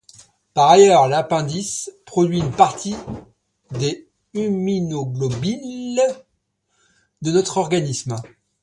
Par ailleurs, l'appendice produit une partie des immunoglobulines de notre organisme.